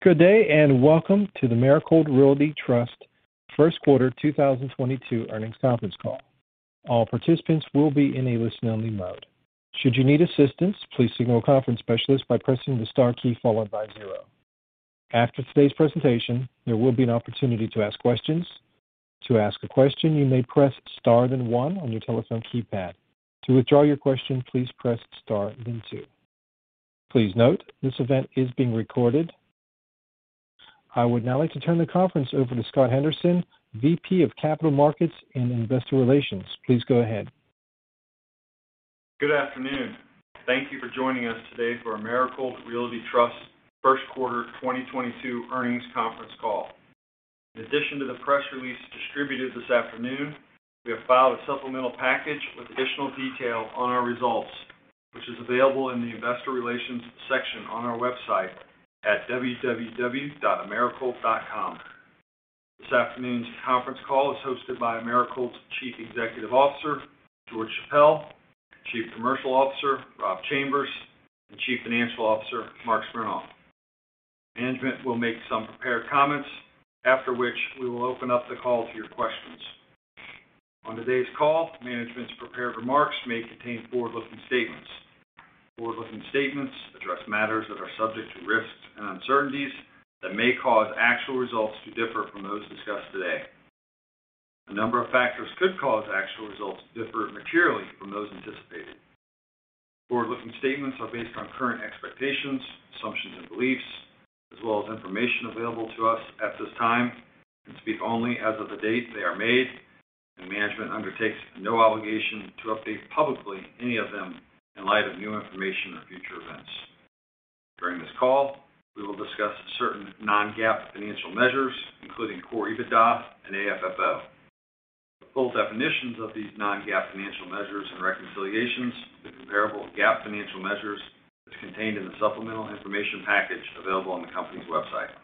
Good day, and welcome to the Americold Realty Trust First Quarter 2022 Earnings Conference Call. All participants will be in a listen-only mode. Should you need assistance, please signal a conference specialist by pressing the star key followed by zero. After today's presentation, there will be an opportunity to ask questions. To ask a question, you may press star then one on your telephone keypad. To withdraw your question, please press star then two. Please note, this event is being recorded. I would now like to turn the conference over to Scott Henderson, VP of Capital Markets and Investor Relations. Please go ahead. Good afternoon. Thank you for joining us today for Americold Realty Trust First Quarter 2022 Earnings Conference Call. In addition to the press release distributed this afternoon, we have filed a supplemental package with additional detail on our results, which is available in the investor relations section on our website at www.americold.com. This afternoon's conference call is hosted by Americold's Chief Executive Officer, George Chappelle, Chief Commercial Officer, Rob Chambers, and Chief Financial Officer, Marc Smernoff. Management will make some prepared comments, after which we will open up the call to your questions. On today's call, management's prepared remarks may contain forward-looking statements. Forward-looking statements address matters that are subject to risks and uncertainties that may cause actual results to differ from those discussed today. A number of factors could cause actual results to differ materially from those anticipated. Forward-looking statements are based on current expectations, assumptions, and beliefs, as well as information available to us at this time and speak only as of the date they are made, and management undertakes no obligation to update publicly any of them in light of new information or future events. During this call, we will discuss certain non-GAAP financial measures, including core EBITDA and AFFO. Full definitions of these non-GAAP financial measures and reconciliations to comparable GAAP financial measures is contained in the supplemental information package available on the company's website.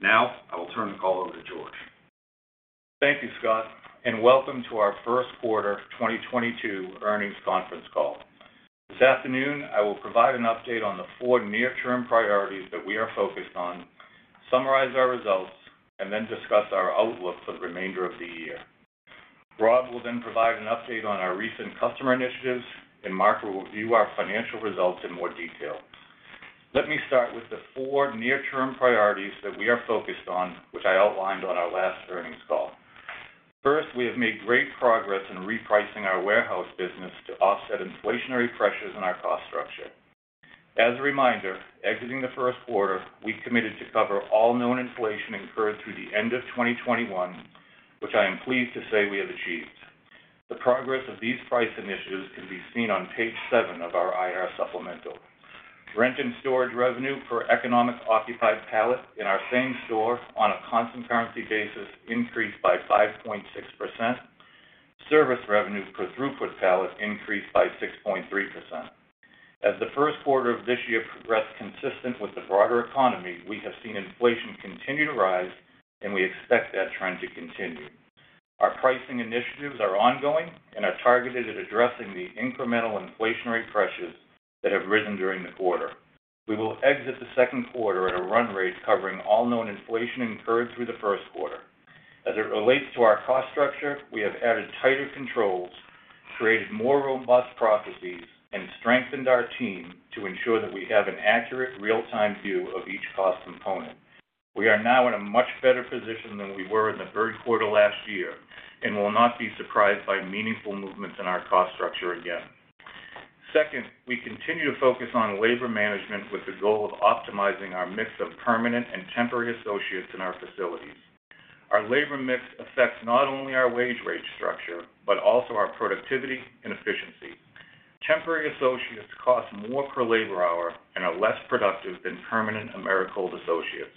Now, I will turn the call over to George. Thank you, Scott, and welcome to our First Quarter 2022 Earnings Conference Call. This afternoon, I will provide an update on the four near-term priorities that we are focused on, summarize our results, and then discuss our outlook for the remainder of the year. Rob will then provide an update on our recent customer initiatives, and Marc will review our financial results in more detail. Let me start with the four near-term priorities that we are focused on, which I outlined on our last earnings call. First, we have made great progress in repricing our warehouse business to offset inflationary pressures in our cost structure. As a reminder, exiting the first quarter, we committed to cover all known inflation incurred through the end of 2021, which I am pleased to say we have achieved. The progress of these pricing initiatives can be seen on page seven of our IR supplemental. Rent and storage revenue per economically occupied pallet in our same-store on a constant currency basis increased by 5.6%. Service revenue per throughput pallet increased by 6.3%. As the first quarter of this year progressed consistent with the broader economy, we have seen inflation continue to rise, and we expect that trend to continue. Our pricing initiatives are ongoing and are targeted at addressing the incremental inflationary pressures that have risen during the quarter. We will exit the second quarter at a run rate covering all known inflation incurred through the first quarter. As it relates to our cost structure, we have added tighter controls, created more robust processes, and strengthened our team to ensure that we have an accurate real-time view of each cost component. We are now in a much better position than we were in the third quarter last year and will not be surprised by meaningful movements in our cost structure again. Second, we continue to focus on labor management with the goal of optimizing our mix of permanent and temporary associates in our facilities. Our labor mix affects not only our wage rate structure but also our productivity and efficiency. Temporary associates cost more per labor hour and are less productive than permanent Americold associates.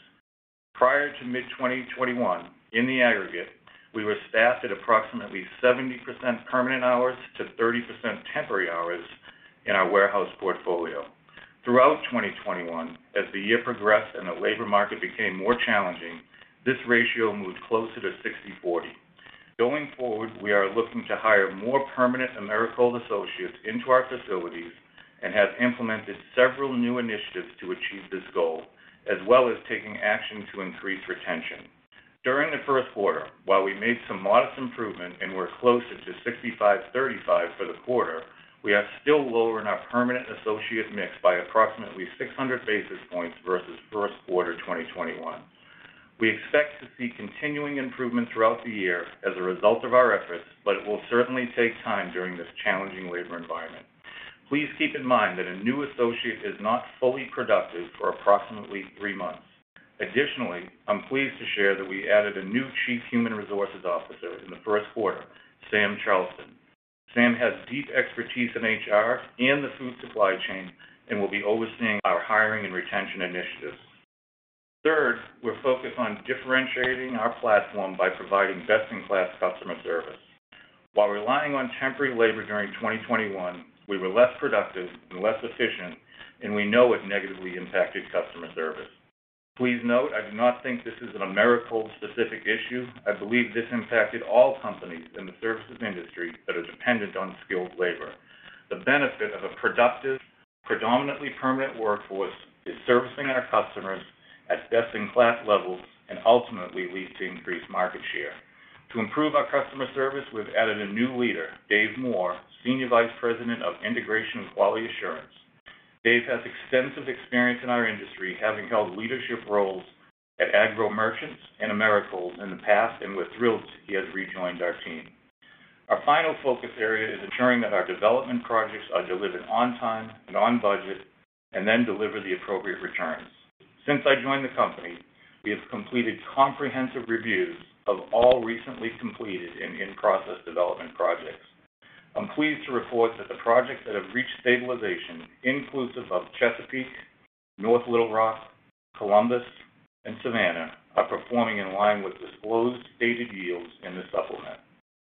Prior to mid-2021, in the aggregate, we were staffed at approximately 70% permanent hours to 30% temporary hours in our warehouse portfolio. Throughout 2021, as the year progressed and the labor market became more challenging, this ratio moved closer to 60/40. Going forward, we are looking to hire more permanent Americold associates into our facilities and have implemented several new initiatives to achieve this goal, as well as taking action to increase retention. During the first quarter, while we made some modest improvement and we're closer to 65/35 for the quarter, we are still lower in our permanent associate mix by approximately 600 basis points versus first quarter 2021. We expect to see continuing improvement throughout the year as a result of our efforts, but it will certainly take time during this challenging labor environment. Please keep in mind that a new associate is not fully productive for approximately three months. Additionally, I'm pleased to share that we added a new Chief Human Resources Officer in the first quarter, Sam Charleston. Sam has deep expertise in HR and the food supply chain and will be overseeing our hiring and retention initiatives. Third, we're focused on differentiating our platform by providing best-in-class customer service. While relying on temporary labor during 2021, we were less productive and less efficient, and we know it negatively impacted customer service. Please note, I do not think this is an Americold specific issue. I believe this impacted all companies in the services industry that are dependent on skilled labor. The benefit of a productive, predominantly permanent workforce is servicing our customers at best in class levels and ultimately leads to increased market share. To improve our customer service, we've added a new leader, Dave Moore, Senior Vice President of Integration and Quality Assurance. Dave has extensive experience in our industry, having held leadership roles at Agro Merchants and Americold in the past, and we're thrilled that he has rejoined our team. Our final focus area is ensuring that our development projects are delivered on time and on budget and then deliver the appropriate returns. Since I joined the company, we have completed comprehensive reviews of all recently completed and in-process development projects. I'm pleased to report that the projects that have reached stabilization, inclusive of Chesapeake, North Little Rock, Columbus, and Savannah, are performing in line with disclosed stated yields in the supplement.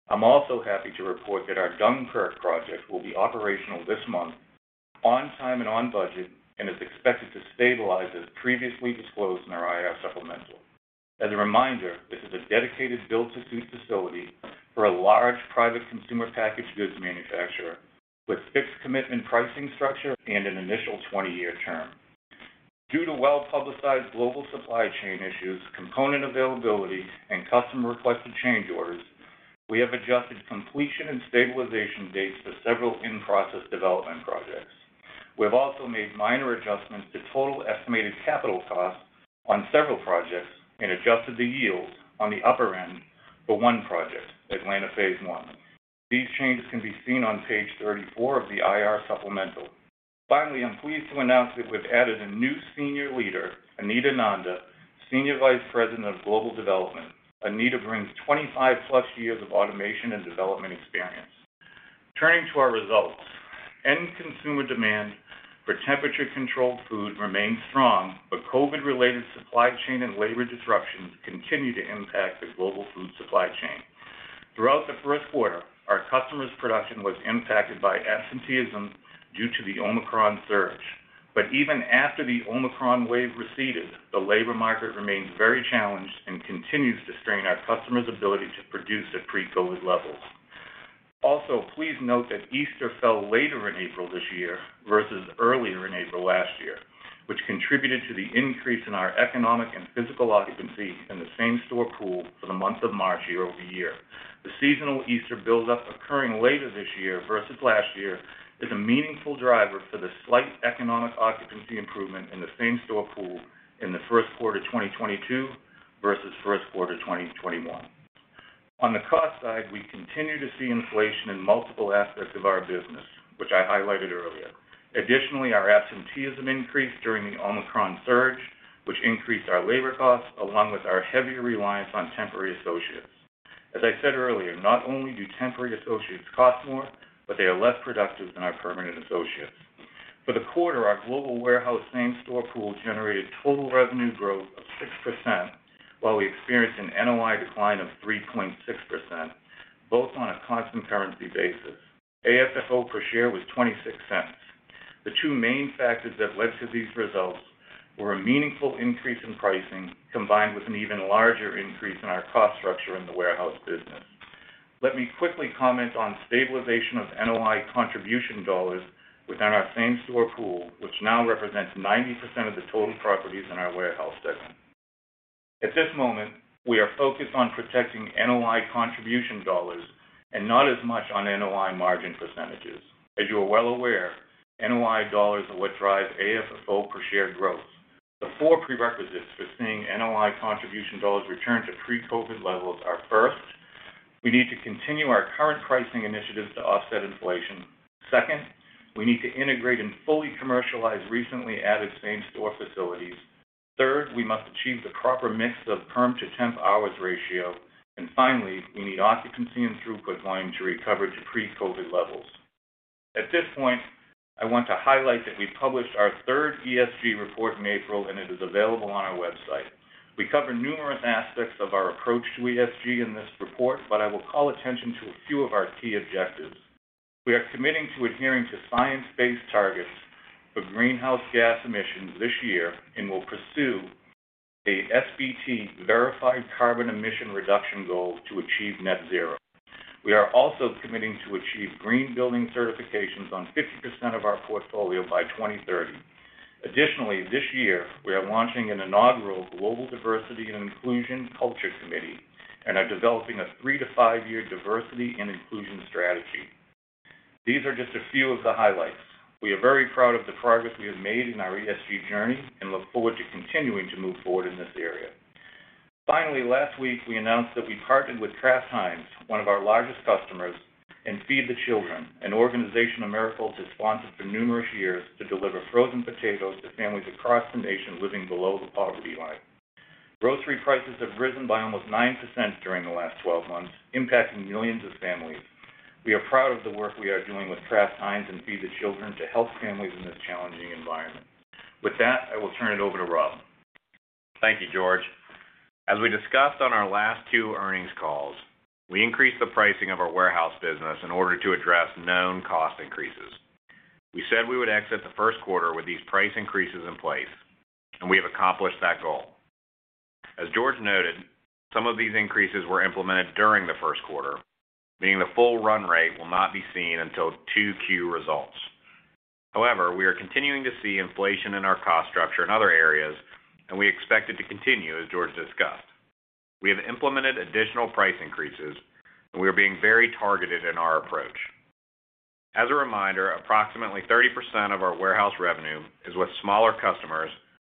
I'm also happy to report that our Dunkirk project will be operational this month on time and on budget and is expected to stabilize as previously disclosed in our IR supplemental. As a reminder, this is a dedicated build to suit facility for a large private consumer packaged goods manufacturer with fixed commitment pricing structure and an initial 20-year term. Due to well-publicized global supply chain issues, component availability, and customer requested change orders, we have adjusted completion and stabilization dates to several in-process development projects. We have also made minor adjustments to total estimated capital costs on several projects and adjusted the yields on the upper end for one project, Atlanta phase one. These changes can be seen on page 34 of the IR supplemental. Finally, I'm pleased to announce that we've added a new senior leader, Anita Nanda, Senior Vice President of Global Development. Anita brings 25+ years of automation and development experience. Turning to our results, end consumer demand for temperature-controlled food remains strong, but COVID-related supply chain and labor disruptions continue to impact the global food supply chain. Throughout the first quarter, our customer's production was impacted by absenteeism due to the Omicron surge. Even after the Omicron wave receded, the labor market remains very challenged and continues to strain our customers' ability to produce at pre-COVID levels. Also, please note that Easter fell later in April this year versus earlier in April last year, which contributed to the increase in our economic and physical occupancy in the same-store pool for the month of March year-over-year. The seasonal Easter buildup occurring later this year versus last year is a meaningful driver for the slight economic occupancy improvement in the same-store pool in the first quarter of 2022 versus first quarter of 2021. On the cost side, we continue to see inflation in multiple aspects of our business, which I highlighted earlier. Additionally, our absenteeism increased during the Omicron surge, which increased our labor costs along with our heavier reliance on temporary associates. As I said earlier, not only do temporary associates cost more, but they are less productive than our permanent associates. For the quarter, our global warehouse same-store pool generated total revenue growth of 6%, while we experienced an NOI decline of 3.6%, both on a constant currency basis. AFFO per share was $0.26. The two main factors that led to these results were a meaningful increase in pricing combined with an even larger increase in our cost structure in the warehouse business. Let me quickly comment on stabilization of NOI contribution dollars within our same-store pool, which now represents 90% of the total properties in our warehouse segment. At this moment, we are focused on protecting NOI contribution dollars and not as much on NOI margin percentages. As you are well aware, NOI dollars are what drives AFFO per share growth. The four prerequisites for seeing NOI contribution dollars return to pre-COVID levels are, first, we need to continue our current pricing initiatives to offset inflation. Second, we need to integrate and fully commercialize recently added same store facilities. Third, we must achieve the proper mix of perm to temp hours ratio. Finally, we need occupancy and throughput volume to recover to pre-COVID levels. At this point, I want to highlight that we published our third ESG report in April, and it is available on our website. We cover numerous aspects of our approach to ESG in this report, but I will call attention to a few of our key objectives. We are committing to adhering to science-based targets for greenhouse gas emissions this year and will pursue a SBT verified carbon emission reduction goal to achieve net zero. We are also committing to achieve green building certifications on 50% of our portfolio by 2030. Additionally, this year we are launching an inaugural Global Diversity & Inclusion Culture Committee and are developing a three- to five-year diversity and inclusion strategy. These are just a few of the highlights. We are very proud of the progress we have made in our ESG journey and look forward to continuing to move forward in this area. Finally, last week, we announced that we partnered with Kraft Heinz, one of our largest customers, and Feed the Children, an organization Americold has sponsored for numerous years to deliver frozen potatoes to families across the nation living below the poverty line. Grocery prices have risen by almost 9% during the last 12 months, impacting millions of families. We are proud of the work we are doing with Kraft Heinz and Feed the Children to help families in this challenging environment. With that, I will turn it over to Rob. Thank you, George. As we discussed on our last two earnings calls, we increased the pricing of our warehouse business in order to address known cost increases. We said we would exit the first quarter with these price increases in place, and we have accomplished that goal. As George noted, some of these increases were implemented during the first quarter, meaning the full run rate will not be seen until 2Q results. However, we are continuing to see inflation in our cost structure in other areas, and we expect it to continue, as George discussed. We have implemented additional price increases, and we are being very targeted in our approach. As a reminder, approximately 30% of our warehouse revenue is with smaller customers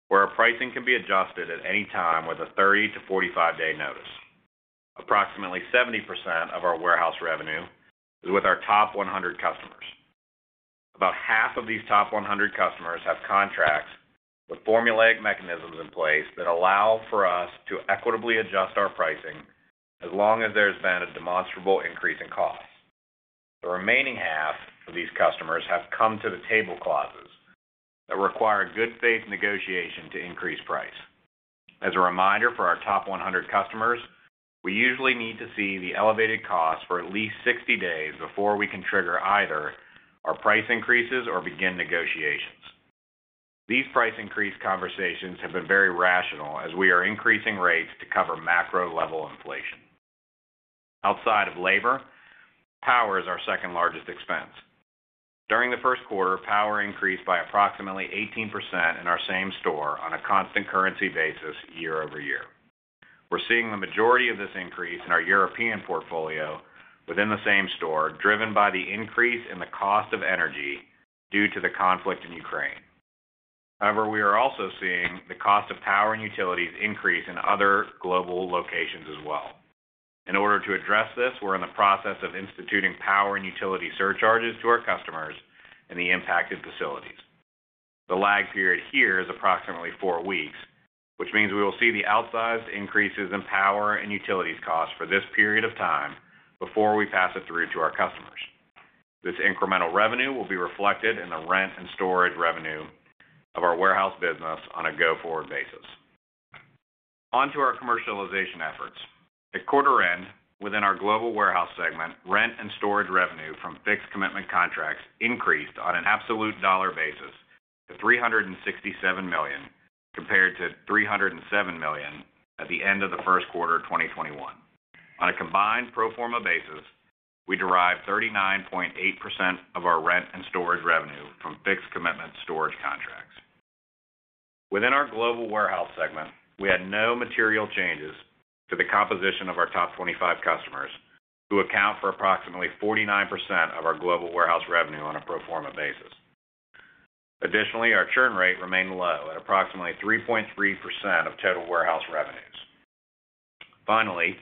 where our pricing can be adjusted at any time with a 30-45-day notice. Approximately 70% of our warehouse revenue is with our top 100 customers. About half of these top 100 customers have contracts with formulaic mechanisms in place that allow for us to equitably adjust our pricing as long as there's been a demonstrable increase in cost. The remaining half of these customers have come to the table clauses that require good faith negotiation to increase price. As a reminder for our top 100 customers, we usually need to see the elevated costs for at least 60 days before we can trigger either our price increases or begin negotiations. These price increase conversations have been very rational as we are increasing rates to cover macro-level inflation. Outside of labor, power is our second largest expense. During the first quarter, power increased by approximately 18% in our same-store on a constant currency basis year-over-year. We're seeing the majority of this increase in our European portfolio within the same store, driven by the increase in the cost of energy due to the conflict in Ukraine. However, we are also seeing the cost of power and utilities increase in other global locations as well. In order to address this, we're in the process of instituting power and utility surcharges to our customers in the impacted facilities. The lag period here is approximately four weeks, which means we will see the outsized increases in power and utilities costs for this period of time before we pass it through to our customers. This incremental revenue will be reflected in the rent and storage revenue of our warehouse business on a go-forward basis. On to our commercialization efforts. At quarter end, within our global warehouse segment, rent and storage revenue from fixed commitment contracts increased on an absolute dollar basis to $367 million, compared to $307 million at the end of the first quarter of 2021. On a combined pro forma basis, we derive 39.8% of our rent and storage revenue from fixed commitment storage contracts. Within our global warehouse segment, we had no material changes to the composition of our top 25 customers who account for approximately 49% of our global warehouse revenue on a pro forma basis. Additionally, our churn rate remained low at approximately 3.3% of total warehouse revenues. Finally,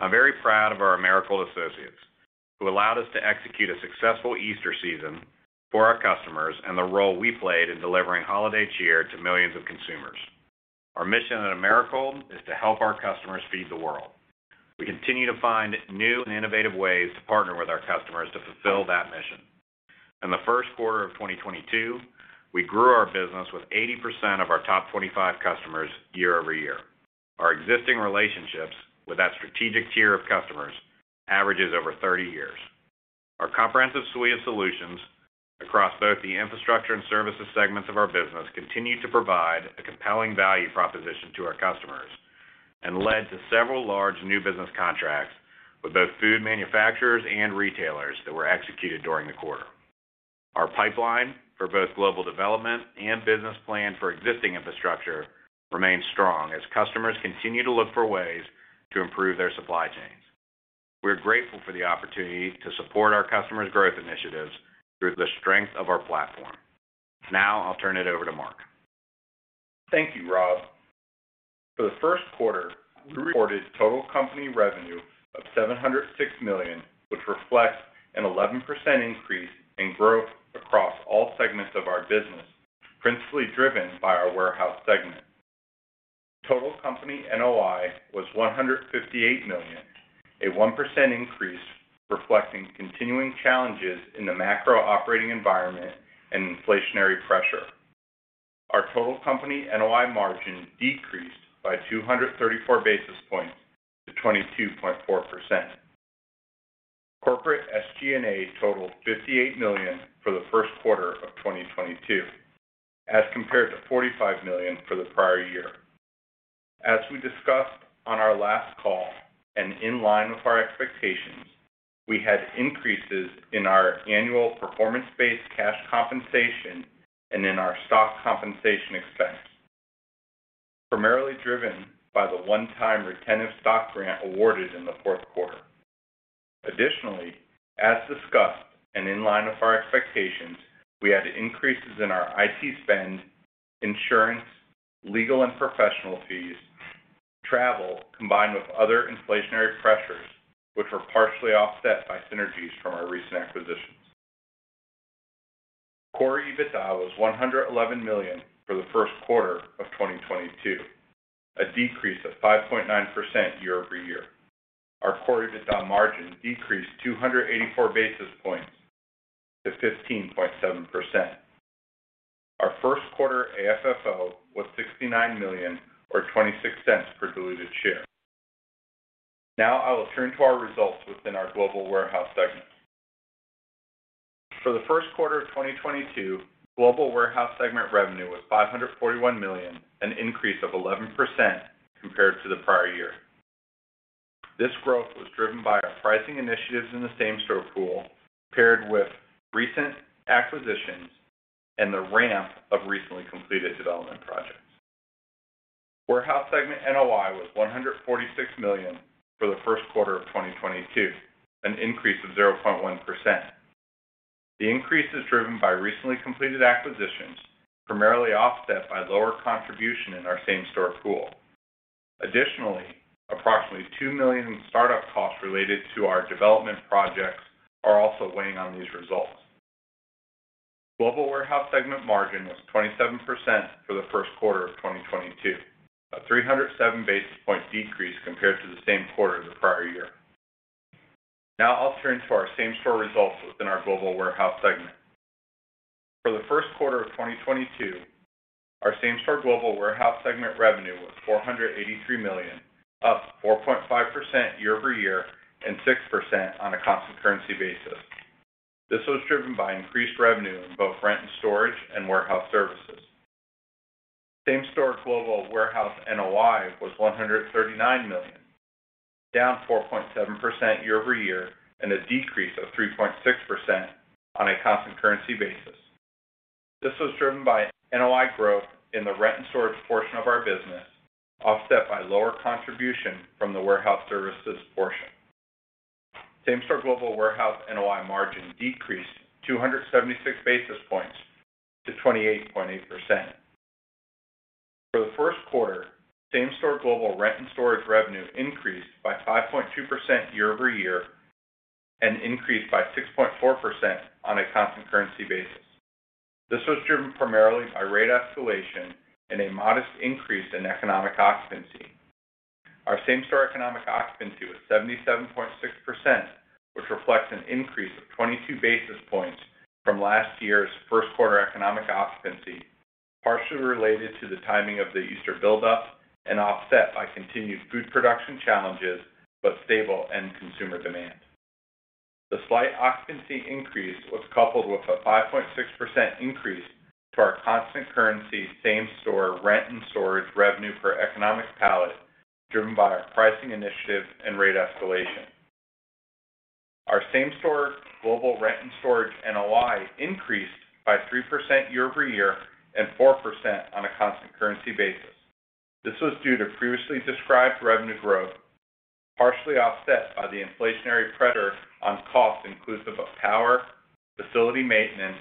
I'm very proud of our Americold associates who allowed us to execute a successful Easter season for our customers and the role we played in delivering holiday cheer to millions of consumers. Our mission at Americold is to help our customers feed the world. We continue to find new and innovative ways to partner with our customers to fulfill that mission. In the first quarter of 2022, we grew our business with 80% of our top 25 customers year over year. Our existing relationships with that strategic tier of customers averages over 30 years. Our comprehensive suite of solutions across both the infrastructure and services segments of our business continue to provide a compelling value proposition to our customers and led to several large new business contracts with both food manufacturers and retailers that were executed during the quarter. Our pipeline for both global development and business plan for existing infrastructure remains strong as customers continue to look for ways to improve their supply chains. We're grateful for the opportunity to support our customers' growth initiatives through the strength of our platform. Now, I'll turn it over to Marc. Thank you, Rob. For the first quarter, we reported total company revenue of $706 million, which reflects an 11% increase in growth across all segments of our business, principally driven by our warehouse segment. Total company NOI was $158 million, a 1% increase reflecting continuing challenges in the macro operating environment and inflationary pressure. Our total company NOI margin decreased by 234 basis points to 22.4%. Corporate SG&A totaled $58 million for the first quarter of 2022, as compared to $45 million for the prior year. As we discussed on our last call and in line with our expectations, we had increases in our annual performance-based cash compensation and in our stock compensation expense, primarily driven by the one-time retentive stock grant awarded in the fourth quarter. Additionally, as discussed and in line with our expectations, we had increases in our IT spend, insurance, legal and professional fees, travel, combined with other inflationary pressures, which were partially offset by synergies from our recent acquisitions. Core EBITDA was $111 million for the first quarter of 2022, a decrease of 5.9% year-over-year. Our core EBITDA margin decreased 284 basis points to 15.7%. Our first quarter AFFO was $69 million or 26 cents per diluted share. Now I will turn to our results within our global warehouse segment. For the first quarter of 2022, global warehouse segment revenue was $541 million, an increase of 11% compared to the prior year. This growth was driven by our pricing initiatives in the same-store pool, paired with recent acquisitions and the ramp of recently completed development projects. Warehouse segment NOI was $146 million for the first quarter of 2022, an increase of 0.1%. The increase is driven by recently completed acquisitions, primarily offset by lower contribution in our same-store pool. Additionally, approximately $2 million in startup costs related to our development projects are also weighing on these results. Global warehouse segment margin was 27% for the first quarter of 2022, a 307 basis point decrease compared to the same quarter the prior year. Now I'll turn to our same-store results within our global warehouse segment. For the first quarter of 2022, our same-store global warehouse segment revenue was $483 million, up 4.5% year-over-year and 6% on a constant currency basis. This was driven by increased revenue in both rent and storage and warehouse services. Same-store global warehouse NOI was $139 million, down 4.7% year-over-year and a decrease of 3.6% on a constant currency basis. This was driven by NOI growth in the rent and storage portion of our business, offset by lower contribution from the warehouse services portion. Same-store global warehouse NOI margin decreased 276 basis points to 28.8%. For the first quarter, same-store global rent and storage revenue increased by 5.2% year-over-year and increased by 6.4% on a constant currency basis. This was driven primarily by rate escalation and a modest increase in economic occupancy. Our same-store economic occupancy was 77.6%, which reflects an increase of 22 basis points from last year's first quarter economic occupancy, partially related to the timing of the Easter buildup and offset by continued food production challenges, but stable end consumer demand. The slight occupancy increase was coupled with a 5.6% increase to our constant currency same-store rent and storage revenue per economic pallet, driven by our pricing initiatives and rate escalation. Our same-store global rent and storage NOI increased by 3% year-over-year and 4% on a constant currency basis. This was due to previously described revenue growth, partially offset by the inflationary pressure on costs inclusive of power, facility maintenance,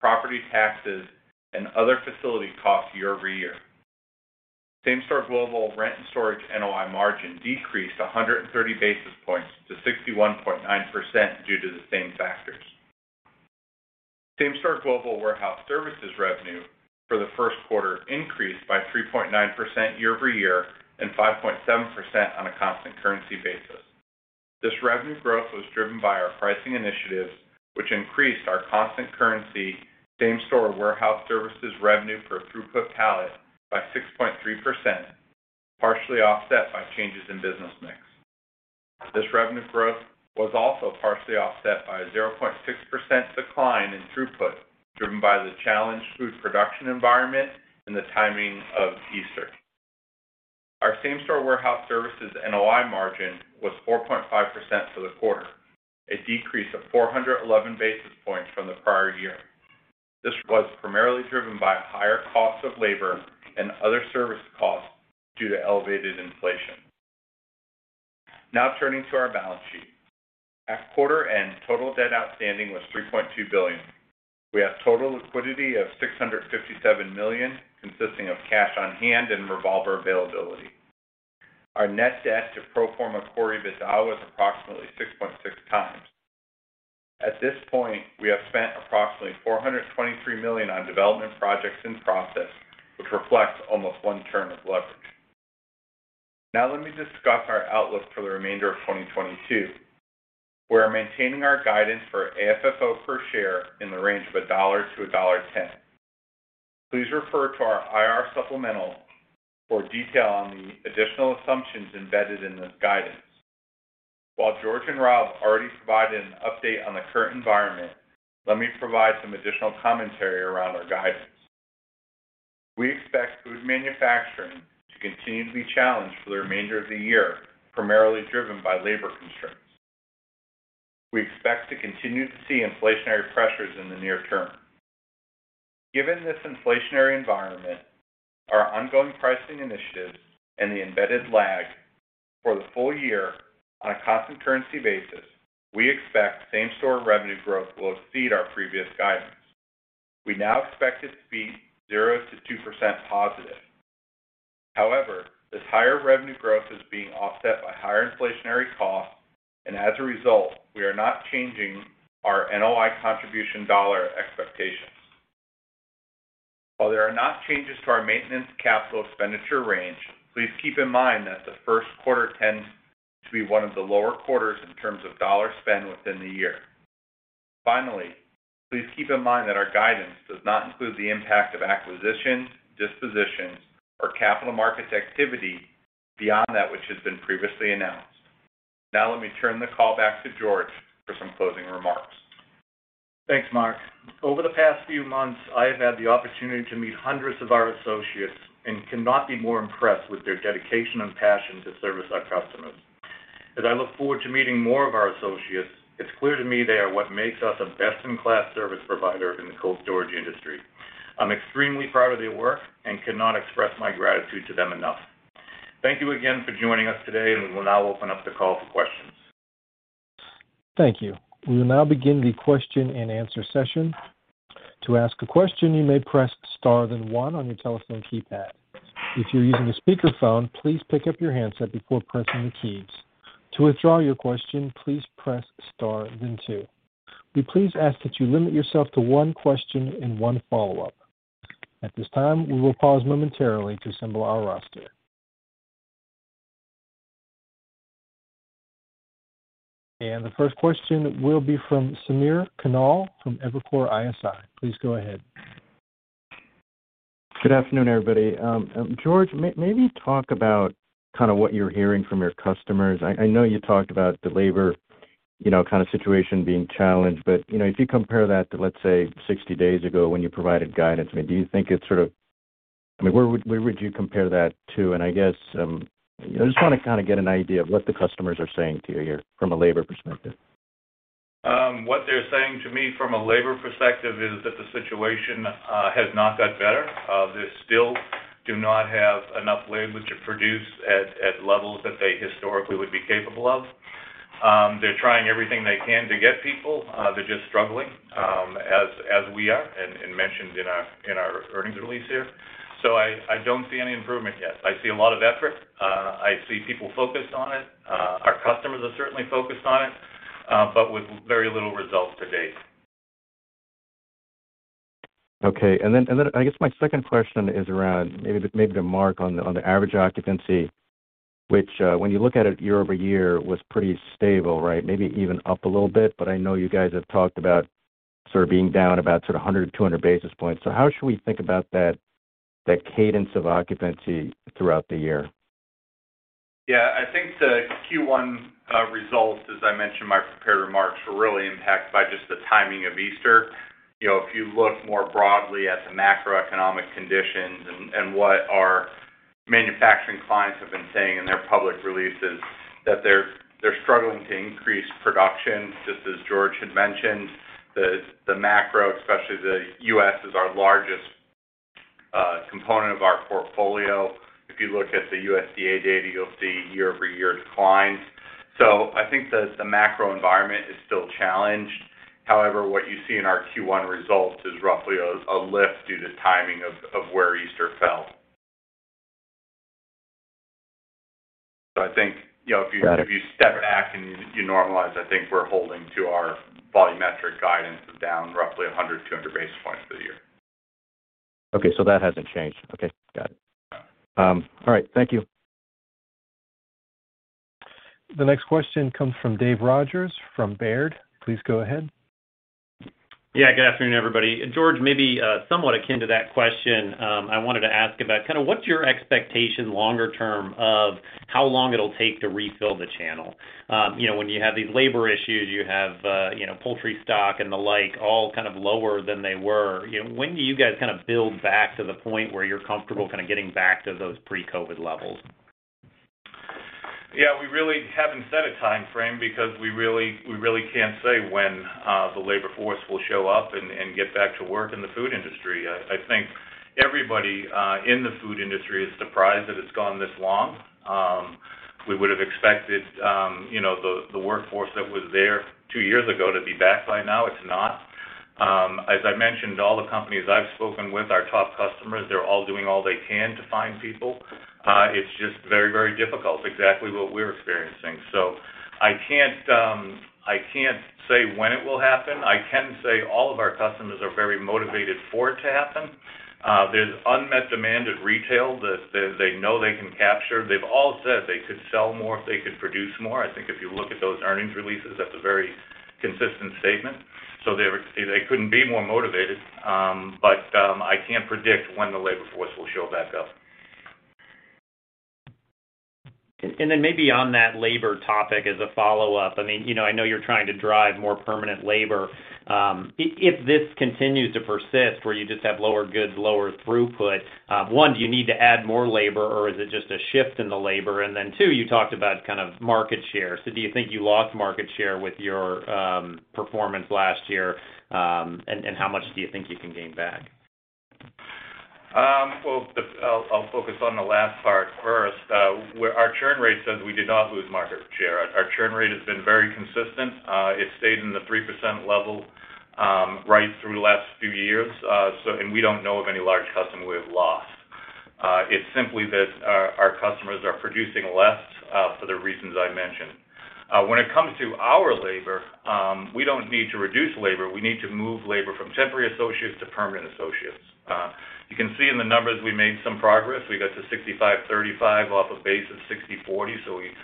property taxes, and other facility costs year-over-year. Same-store global rent and storage NOI margin decreased 100 basis points to 61.9% due to the same factors. Same-store global warehouse services revenue for the first quarter increased by 3.9% year-over-year and 5.7% on a constant currency basis. This revenue growth was driven by our pricing initiatives, which increased our constant currency same-store warehouse services revenue for throughput pallet by 6.3%, partially offset by changes in business mix. This revenue growth was also partially offset by a 0.6% decline in throughput, driven by the challenged food production environment and the timing of Easter. Our same-store warehouse services NOI margin was 4.5% for the quarter, a decrease of 411 basis points from the prior year. This was primarily driven by higher costs of labor and other service costs due to elevated inflation. Now turning to our balance sheet. At quarter end, total debt outstanding was $3.2 billion. We have total liquidity of $657 million, consisting of cash on hand and revolver availability. Our net debt to pro forma core EBITDA was approximately 6.6x. At this point, we have spent approximately $423 million on development projects in process, which reflects almost one turn of leverage. Now let me discuss our outlook for the remainder of 2022. We are maintaining our guidance for AFFO per share in the range of $1-$1.10. Please refer to our IR supplemental for detail on the additional assumptions embedded in this guidance. While George and Rob already provided an update on the current environment, let me provide some additional commentary around our guidance. We expect food manufacturing to continue to be challenged for the remainder of the year, primarily driven by labor constraints. We expect to continue to see inflationary pressures in the near term. Given this inflationary environment, our ongoing pricing initiatives and the embedded lag for the full year on a constant currency basis, we expect same-store revenue growth will exceed our previous guidance. We now expect it to be 0%-2% positive. However, this higher revenue growth is being offset by higher inflationary costs, and as a result, we are not changing our NOI contribution dollar expectations. While there are no changes to our maintenance capital expenditure range, please keep in mind that the first quarter tends to be one of the lower quarters in terms of dollar spend within the year. Finally, please keep in mind that our guidance does not include the impact of acquisitions, dispositions, or capital markets activity beyond that which has been previously announced. Now let me turn the call back to George for some closing remarks. Thanks, Marc. Over the past few months, I have had the opportunity to meet hundreds of our associates and cannot be more impressed with their dedication and passion to service our customers. As I look forward to meeting more of our associates, it's clear to me they are what makes us a best-in-class service provider in the cold storage industry. I'm extremely proud of their work and cannot express my gratitude to them enough. Thank you again for joining us today, and we will now open up the call for questions. Thank you. We will now begin the question and answer session. To ask a question, you may press star then one on your telephone keypad. If you're using a speakerphone, please pick up your handset before pressing the keys. To withdraw your question, please press star then two. We please ask that you limit yourself to one question and one follow-up. At this time, we will pause momentarily to assemble our roster. The first question will be from Samir Khanal from Evercore ISI. Please go ahead. Good afternoon, everybody. George, maybe talk about kind of what you're hearing from your customers. I know you talked about the labor, you know, kind of situation being challenged, but, you know, if you compare that to, let's say, 60 days ago when you provided guidance, I mean, do you think it sort of. I mean, where would you compare that to? I guess, I just wanna kind of get an idea of what the customers are saying to you here from a labor perspective. What they're saying to me from a labor perspective is that the situation has not got better. They still do not have enough labor to produce at levels that they historically would be capable of. They're trying everything they can to get people. They're just struggling as we are and mentioned in our earnings release here. I don't see any improvement yet. I see a lot of effort. I see people focused on it. Our customers are certainly focused on it, but with very little results to date. Okay. Then I guess my second question is around maybe to Marc on the average occupancy, which, when you look at it year-over-year, was pretty stable, right? Maybe even up a little bit, but I know you guys have talked about sort of being down about sort of 100-200 basis points. How should we think about that cadence of occupancy throughout the year? Yeah. I think the Q1 results, as I mentioned in my prepared remarks, were really impacted by just the timing of Easter. You know, if you look more broadly at the macroeconomic conditions and what our manufacturing clients have been saying in their public releases, that they're struggling to increase production, just as George had mentioned. The macro, especially the U.S., is our largest component of our portfolio. If you look at the USDA data, you'll see year-over-year declines. I think the macro environment is still challenged. However, what you see in our Q1 results is roughly a lift due to timing of where Easter fell. I think, you know, if you- Got it. If you step back and you normalize, I think we're holding to our volumetric guidance of down roughly 100-200 basis points for the year. Okay. That hasn't changed. Okay, got it. All right. Thank you. The next question comes from Dave Rodgers from Baird. Please go ahead. Yeah, good afternoon, everybody. George, maybe somewhat akin to that question, I wanted to ask about kind of what's your expectation longer term of how long it'll take to refill the channel? You know, when you have these labor issues, you have, you know, poultry stock and the like, all kind of lower than they were. You know, when do you guys kinda build back to the point where you're comfortable kinda getting back to those pre-COVID levels? Yeah, we really haven't set a timeframe because we really can't say when the labor force will show up and get back to work in the food industry. I think everybody in the food industry is surprised that it's gone this long. We would've expected, you know, the workforce that was there two years ago to be back by now. It's not. As I mentioned, all the companies I've spoken with, our top customers, they're all doing all they can to find people. It's just very difficult. Exactly what we're experiencing. I can't say when it will happen. I can say all of our customers are very motivated for it to happen. There's unmet demand at retail that they know they can capture. They've all said they could sell more if they could produce more. I think if you look at those earnings releases, that's a very consistent statement. They couldn't be more motivated, but I can't predict when the labor force will show back up. Maybe on that labor topic as a follow-up. I mean, you know, I know you're trying to drive more permanent labor. If this continues to persist where you just have lower goods, lower throughput, one, do you need to add more labor, or is it just a shift in the labor? Two, you talked about kind of market share. Do you think you lost market share with your performance last year? How much do you think you can gain back? Well, I'll focus on the last part first. Our churn rate says we did not lose market share. Our churn rate has been very consistent. It stayed in the 3% level right through the last few years. We don't know of any large customer we have lost. It's simply that our customers are producing less for the reasons I mentioned. When it comes to our labor, we don't need to reduce labor. We need to move labor from temporary associates to permanent associates. You can see in the numbers we made some progress. We got to 65/35 off a base of 60/40, so we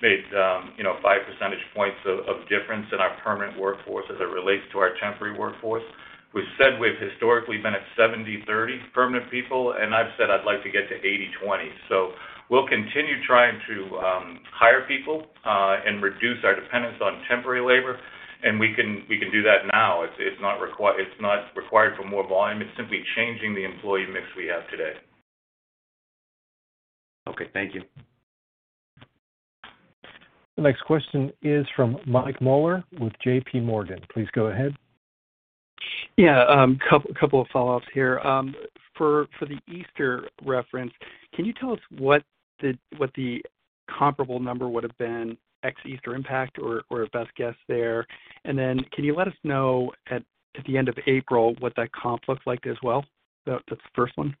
made 5 percentage points of difference in our permanent workforce as it relates to our temporary workforce. We said we've historically been at 70/30 permanent people, and I've said I'd like to get to 80/20. We'll continue trying to hire people and reduce our dependence on temporary labor, and we can do that now. It's not required for more volume. It's simply changing the employee mix we have today. Okay, thank you. The next question is from Michael Mueller with JPMorgan. Please go ahead. Yeah, couple of follow-ups here. For the Easter reference, can you tell us what the comparable number would have been ex-Easter impact or best guess there? Can you let us know at the end of April what that comp looked like as well? That's the first one.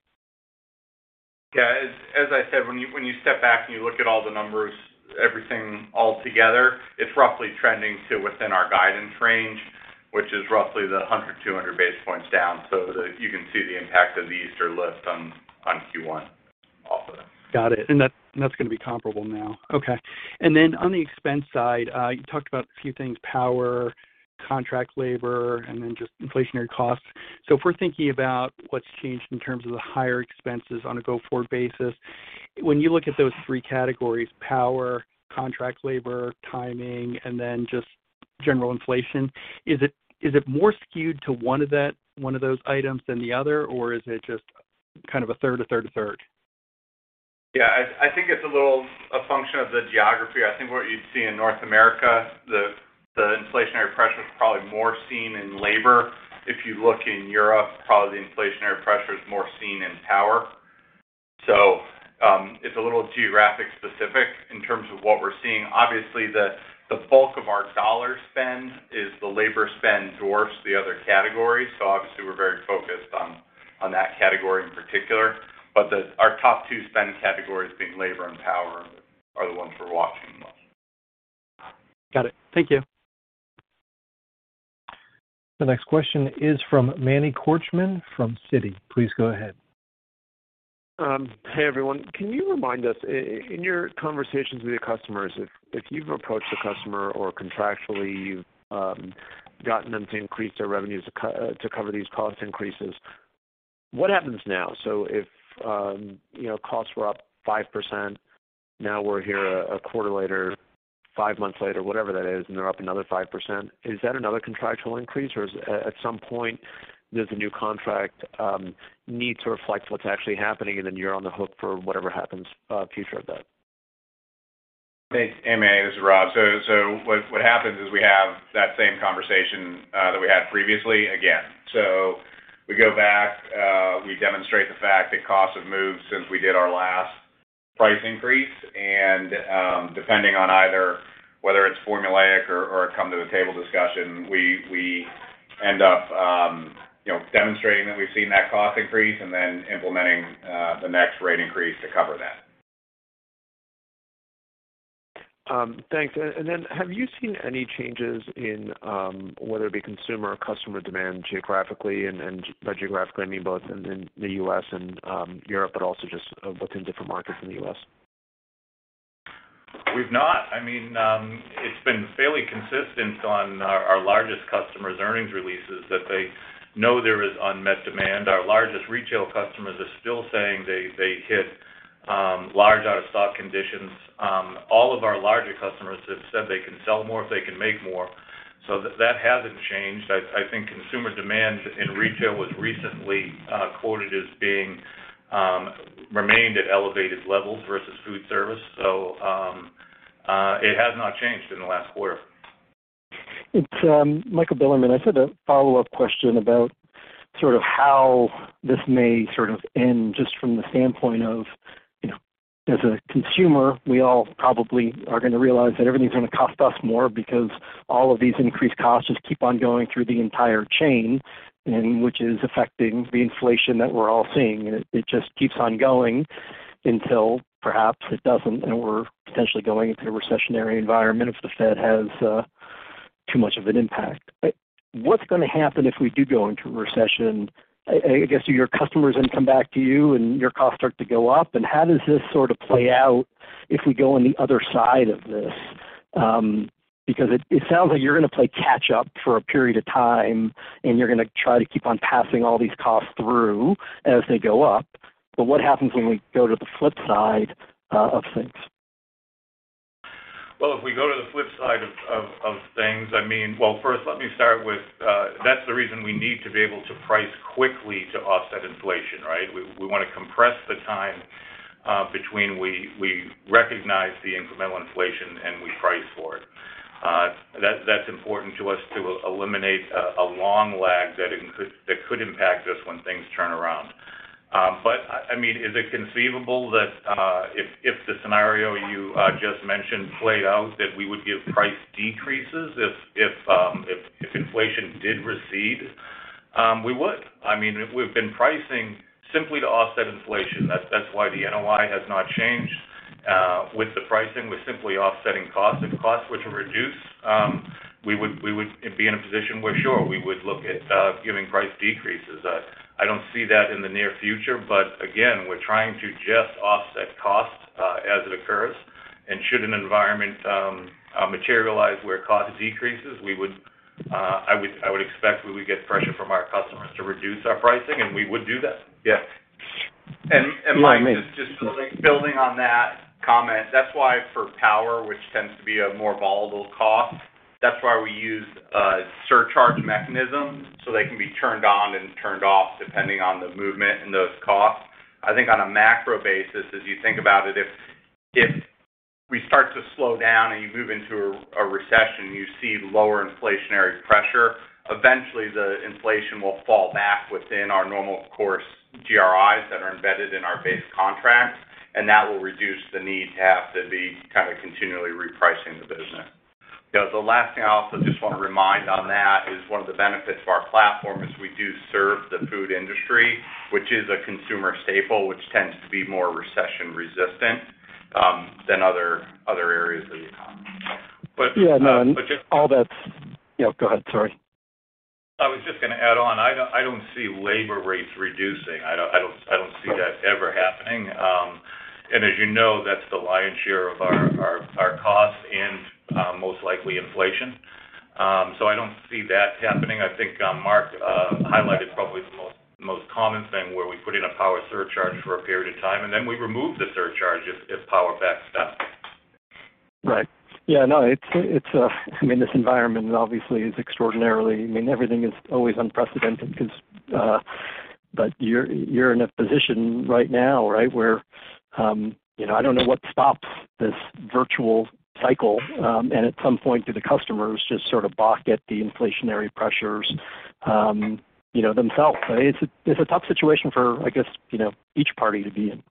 Yeah. As I said, when you step back and you look at all the numbers, everything all together, it's roughly trending to within our guidance range, which is roughly 100-200 basis points down so that you can see the impact of the Easter shift on Q1 also. Got it. That's gonna be comparable now. Okay. Then on the expense side, you talked about a few things, power, contract labor, and then just inflationary costs. If we're thinking about what's changed in terms of the higher expenses on a go-forward basis, when you look at those three categories, power, contract labor, timing, and then just general inflation, is it more skewed to one of those items than the other, or is it just kind of a third? Yeah. I think it's a little function of the geography. I think what you'd see in North America, the inflationary pressure is probably more seen in labor. If you look in Europe, probably the inflationary pressure is more seen in power. It's a little geographic specific in terms of what we're seeing. Obviously, the bulk of our dollar spend is the labor spend dwarfs the other categories, so obviously we're very focused on that category in particular. Our top two spend categories being labor and power are the ones we're watching the most. Got it. Thank you. The next question is from Manny Korchman from Citi. Please go ahead. Hey, everyone. Can you remind us in your conversations with your customers, if you've approached the customer or contractually you've gotten them to increase their revenues to cover these cost increases, what happens now? If you know, costs were up 5%, now we're here a quarter later, five months later, whatever that is, and they're up another 5%, is that another contractual increase, or is it at some point does the new contract need to reflect what's actually happening, and then you're on the hook for whatever happens, future of that? Hey, Manny. This is Rob. What happens is we have that same conversation that we had previously again. We go back, we demonstrate the fact that costs have moved since we did our last price increase. Depending on either whether it's formulaic or a come to the table discussion, we end up, you know, demonstrating that we've seen that cost increase and then implementing the next rate increase to cover that. Thanks. Have you seen any changes in whether it be consumer or customer demand geographically and by geographically, I mean both in the U.S. and Europe, but also just within different markets in the U.S.? I mean, it's been fairly consistent on our largest customers' earnings releases that they know there is unmet demand. Our largest retail customers are still saying they hit large out-of-stock conditions. All of our larger customers have said they can sell more if they can make more. That hasn't changed. I think consumer demand in retail was recently quoted as being remained at elevated levels versus food service. It has not changed in the last quarter. It's Michael Bilerman. I just had a follow-up question about sort of how this may sort of end, just from the standpoint of, you know, as a consumer, we all probably are gonna realize that everything's gonna cost us more because all of these increased costs just keep on going through the entire chain and which is affecting the inflation that we're all seeing, and it just keeps on going until perhaps it doesn't, and we're potentially going into a recessionary environment if the Fed has too much of an impact. What's gonna happen if we do go into a recession? I guess do your customers then come back to you and your costs start to go up? How does this sort of play out if we go on the other side of this? Because it sounds like you're gonna play catch up for a period of time, and you're gonna try to keep on passing all these costs through as they go up. What happens when we go to the flip side of things? Well, if we go to the flip side of things, I mean. Well, first, let me start with, that's the reason we need to be able to price quickly to offset inflation, right? We wanna compress the time between we recognize the incremental inflation and we price for it. That's important to us to eliminate a long lag that could impact us when things turn around. I mean, is it conceivable that if the scenario you just mentioned played out, that we would give price decreases if inflation did recede? We would. I mean, we've been pricing simply to offset inflation. That's why the NOI has not changed with the pricing. We're simply offsetting costs. If costs were to reduce, we would be in a position where, sure, we would look at giving price decreases. I don't see that in the near future, but again, we're trying to just offset cost as it occurs. Should an environment materialize where cost decreases, I would expect we would get pressure from our customers to reduce our pricing, and we would do that. Yes. And let me, just building on that comment, that's why for power, which tends to be a more volatile cost, that's why we use a surcharge mechanism, so they can be turned on and turned off depending on the movement in those costs. I think on a macro basis, as you think about it, if we start to slow down, and you move into a recession, you see lower inflationary pressure, eventually the inflation will fall back within our normal course GRIs that are embedded in our base contracts, and that will reduce the need to have to be kind of continually repricing the business. You know, the last thing I also just wanna remind on that is one of the benefits of our platform is we do serve the food industry, which is a consumer staple, which tends to be more recession-resistant than other areas of the economy. Yeah, go ahead. Sorry. I was just gonna add on, I don't see labor rates reducing. I don't see that ever happening. As you know, that's the lion's share of our costs and most likely inflation. I don't see that happening. I think Marc highlighted probably the most common thing where we put in a power surcharge for a period of time, and then we remove the surcharge if power backs down. Right. Yeah, no, I mean, everything is always unprecedented 'cause, but you're in a position right now, right, where you know, I don't know what stops this virtuous cycle. At some point, do the customers just sort of balk at the inflationary pressures, you know, themselves? It's a tough situation for, I guess, you know, each party to be in.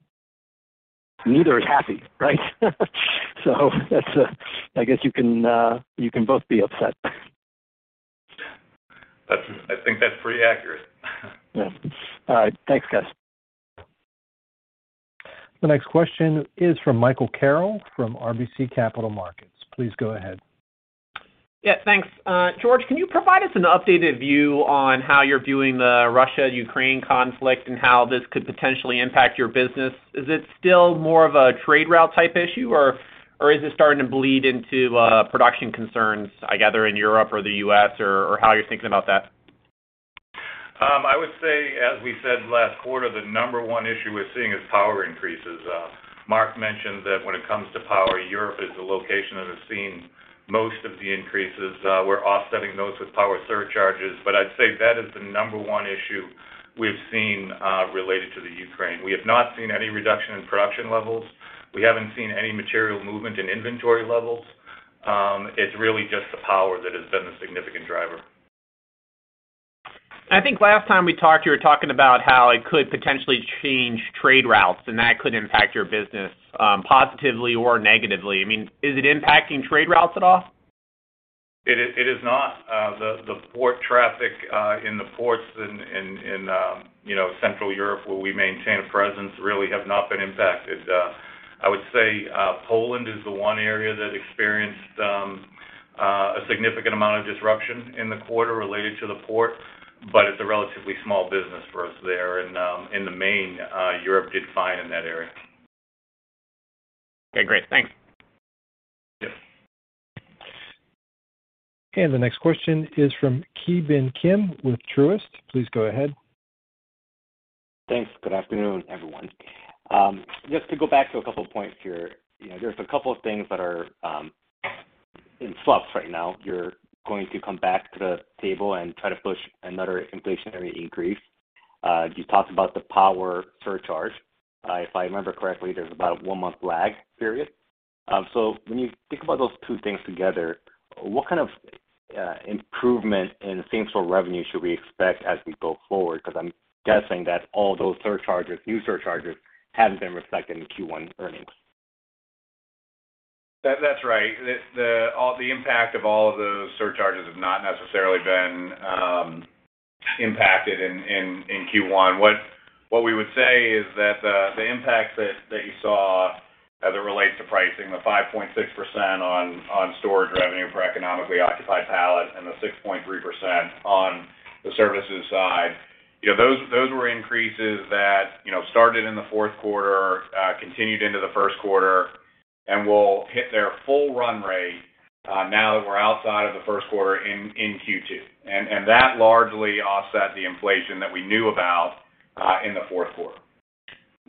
Neither is happy, right? That's, I guess, you can both be upset. That's, I think that's pretty accurate. Yes. All right. Thanks, guys. The next question is from Michael Carroll from RBC Capital Markets. Please go ahead. Yeah, thanks. George, can you provide us an updated view on how you're viewing the Russia-Ukraine conflict and how this could potentially impact your business? Is it still more of a trade route type issue, or is it starting to bleed into production concerns, either in Europe or the U.S. or how you're thinking about that? I would say, as we said last quarter, the number one issue we're seeing is power increases. Marc mentioned that when it comes to power, Europe is the location that has seen most of the increases. We're offsetting those with power surcharges. I'd say that is the number one issue we've seen, related to Ukraine. We have not seen any reduction in production levels. We haven't seen any material movement in inventory levels. It's really just the power that has been the significant driver. I think last time we talked, you were talking about how it could potentially change trade routes, and that could impact your business, positively or negatively. I mean, is it impacting trade routes at all? It is not. The port traffic in the ports in Central Europe where we maintain a presence really have not been impacted. I would say Poland is the one area that experienced a significant amount of disruption in the quarter related to the port, but it's a relatively small business for us there. In the main, Europe did fine in that area. Okay, great. Thanks. Yeah. The next question is from Ki Bin Kim with Truist. Please go ahead. Thanks. Good afternoon, everyone. Just to go back to a couple of points here, you know, there's a couple of things that are in flux right now. You're going to come back to the table and try to push another inflationary increase. You talked about the power surcharge. If I remember correctly, there's about a one-month lag period. So when you think about those two things together, what kind of improvement in same-store revenue should we expect as we go forward? Because I'm guessing that all those surcharges, new surcharges haven't been reflected in Q1 earnings. That's right. All the impact of all of those surcharges have not necessarily been impacted in Q1. What we would say is that the impact that you saw as it relates to pricing, the 5.6% on storage revenue for economic occupancy pallet and the 6.3% on the services side, you know, those were increases that, you know, started in the fourth quarter, continued into the first quarter, and will hit their full run rate now that we're outside of the first quarter in Q2. That largely offset the inflation that we knew about in the fourth quarter.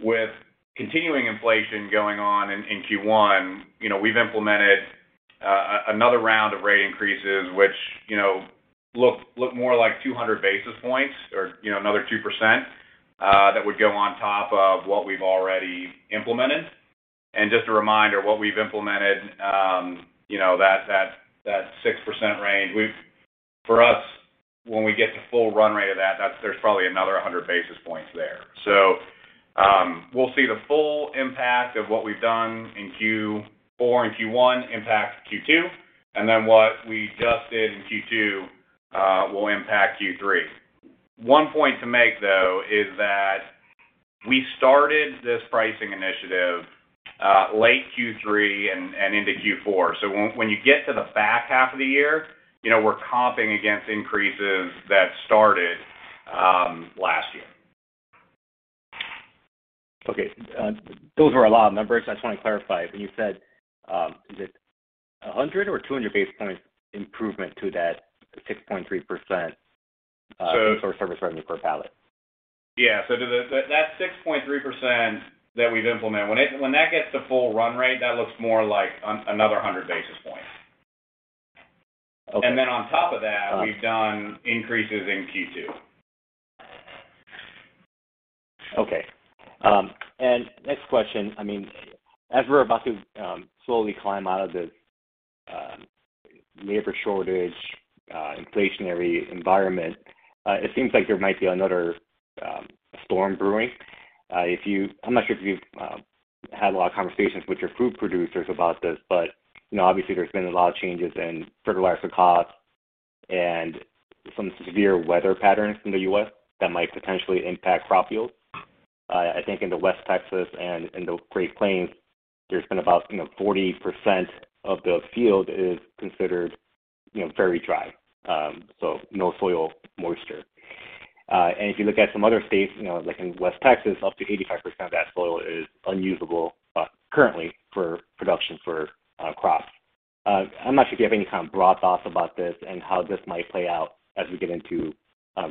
With continuing inflation going on in Q1, you know, we've implemented another round of rate increases, which, you know, look more like 200 basis points or, you know, another 2%, that would go on top of what we've already implemented. Just a reminder, what we've implemented, you know, that 6% range, for us, when we get to full run rate of that, there's probably another 100 basis points there. So, we'll see the full impact of what we've done in Q4 and Q1 impact Q2, and then what we just did in Q2 will impact Q3. One point to make, though, is that we started this pricing initiative late Q3 and into Q4. When you get to the back half of the year, you know, we're comping against increases that started last year. Okay. Those were a lot of numbers. I just wanna clarify. When you said, is it 100 or 200 basis points improvement to that 6.3%? So- Warehouse services revenue per pallet? Yeah. That 6.3% that we've implemented, when that gets to full run rate, that looks more like another hundred basis points. Okay. On top of that. Uh. We've done increases in Q2. Okay. Next question. I mean, as we're about to slowly climb out of this labor shortage, inflationary environment, it seems like there might be another storm brewing. I'm not sure if you've had a lot of conversations with your food producers about this, but you know, obviously there's been a lot of changes in fertilizer costs and some severe weather patterns in the U.S. that might potentially impact crop fields. I think in West Texas and in the Great Plains, there's been about, you know, 40% of the field is considered, you know, very dry. So no soil moisture. If you look at some other states, you know, like in West Texas, up to 85% of that soil is unusable currently for production for crops. I'm not sure if you have any kind of broad thoughts about this and how this might play out as we get into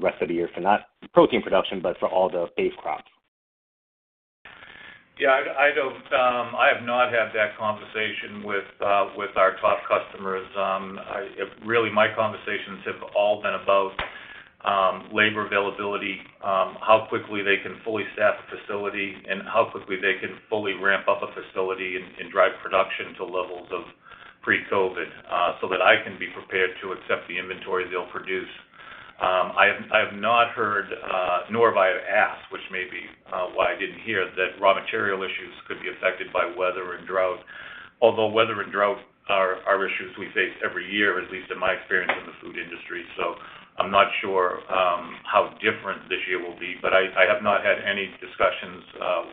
rest of the year for non-protein production, but for all the base crops. Yeah, I have not had that conversation with our top customers. Really, my conversations have all been about labor availability, how quickly they can fully staff a facility, and how quickly they can fully ramp up a facility and drive production to levels of pre-COVID, so that I can be prepared to accept the inventory they'll produce. I have not heard nor have I asked, which may be why I didn't hear, that raw material issues could be affected by weather and drought. Although weather and drought are issues we face every year, at least in my experience in the food industry. I'm not sure how different this year will be, but I have not had any discussions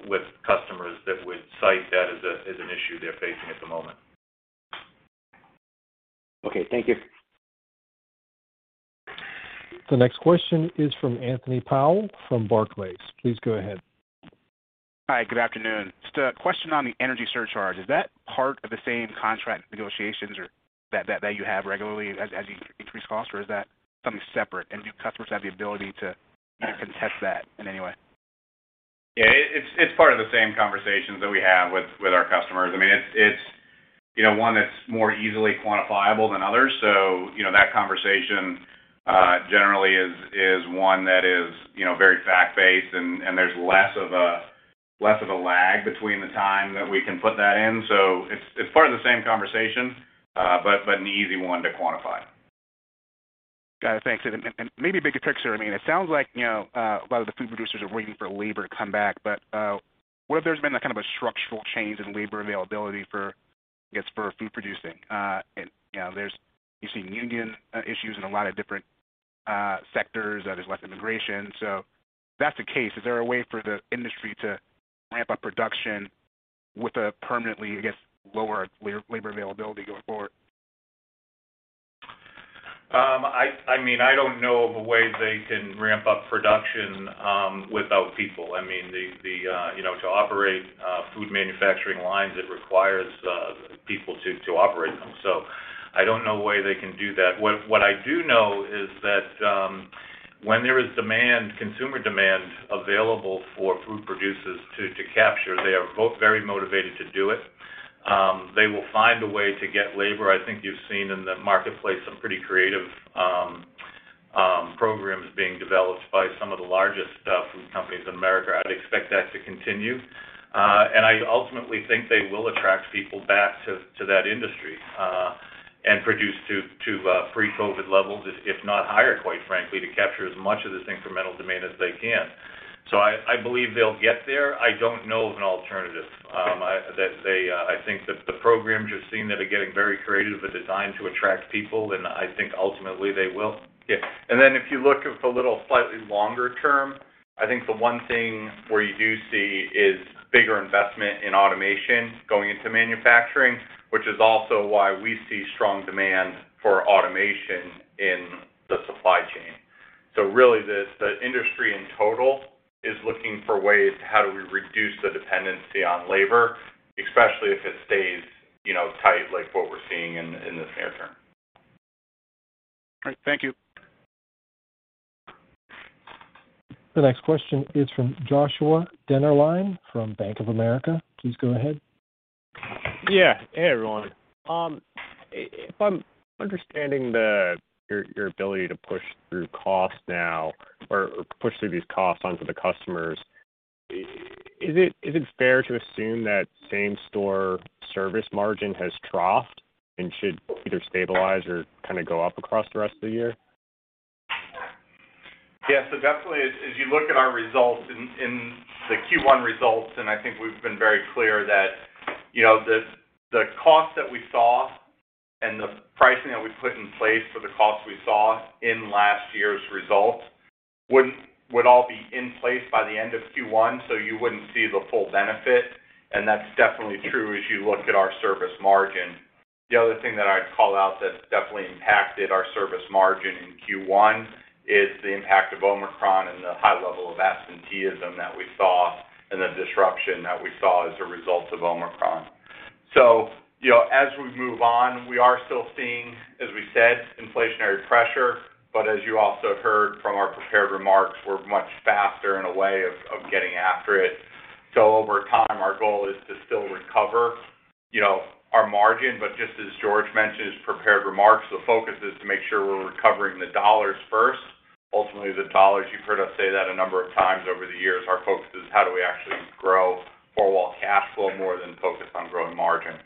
with customers that would cite that as an issue they're facing at the moment. Okay. Thank you. The next question is from Anthony Powell from Barclays. Please go ahead. Hi, good afternoon. Just a question on the energy surcharge. Is that part of the same contract negotiations or that you have regularly as you increase costs, or is that something separate? Do customers have the ability to contest that in any way? Yeah. It's part of the same conversations that we have with our customers. I mean, it's you know, one that's more easily quantifiable than others. You know, that conversation generally is one that is you know, very fact-based and there's less of a lag between the time that we can put that in. It's part of the same conversation but an easy one to quantify. Got it. Thanks. Maybe bigger picture, I mean, it sounds like, you know, a lot of the food producers are waiting for labor to come back, but what if there's been a kind of a structural change in labor availability for, I guess, for food producing? You know, you're seeing union issues in a lot of different sectors. There's less immigration. If that's the case, is there a way for the industry to ramp up production with a permanently, I guess, lower labor availability going forward? I mean, I don't know of a way they can ramp up production without people. I mean, to operate food manufacturing lines, it requires people to operate them. I don't know a way they can do that. What I do know is that, when there is demand, consumer demand available for food producers to capture, they are both very motivated to do it. They will find a way to get labor. I think you've seen in the marketplace some pretty creative programs being developed by some of the largest food companies in America. I'd expect that to continue. I ultimately think they will attract people back to that industry and produce to pre-COVID levels, if not higher, quite frankly, to capture as much of this incremental demand as they can. I believe they'll get there. I don't know of an alternative. I think that the programs you're seeing that are getting very creative are designed to attract people, and I think ultimately they will. If you look at the little slightly longer term, I think the one thing where you do see is bigger investment in automation going into manufacturing, which is also why we see strong demand for automation in the supply chain. Really this, the industry in total is looking for ways, how do we reduce the dependency on labor, especially if it stays, you know, tight like what we're seeing in the near term. All right. Thank you. The next question is from Joshua Dennerlein from Bank of America. Please go ahead. Yeah. Hey, everyone. If I'm understanding your ability to push through costs now or push through these costs onto the customers, is it fair to assume that same-store service margin has troughed and should either stabilize or kinda go up across the rest of the year? Yes. Definitely as you look at our results in the Q1 results, and I think we've been very clear that, you know, the cost that we saw and the pricing that we put in place for the cost we saw in last year's results would all be in place by the end of Q1, so you wouldn't see the full benefit, and that's definitely true as you look at our service margin. The other thing that I'd call out that's definitely impacted our service margin in Q1 is the impact of Omicron and the high level of absenteeism that we saw and the disruption that we saw as a result of Omicron. You know, as we move on, we are still seeing, as we said, inflationary pressure. As you also heard from our prepared remarks, we're much faster in a way of getting after it. Over time, our goal is to still recover, you know, our margin. Just as George mentioned his prepared remarks, the focus is to make sure we're recovering the dollars first. Ultimately, the dollars, you've heard us say that a number of times over the years, our focus is how do we actually grow four-wall cash flow more than focus on growing margin.